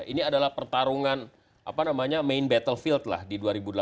ini adalah pertarungan main battlefield lah di dua ribu delapan belas